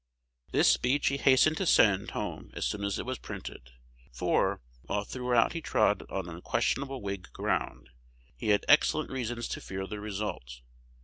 This speech he hastened to send home as soon as it was printed; for, while throughout he trod on unquestionable Whig ground, he had excellent reasons to fear the result.